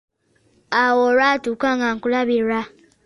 Awo olwatuuka nga nkulabira